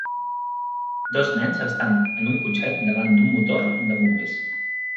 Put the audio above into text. Dos nens estan en un cotxet davant d'un motor de bombers